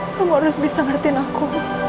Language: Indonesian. kamu harus bisa ngerti aku